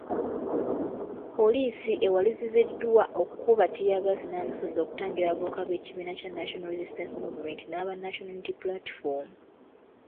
Poliisi ewaliriziddwa okukuba ttiyaggaasi n’amasasi okutangira abavubuka b’ekibiina kya National Resistance Movement n'aba National Unity Platform.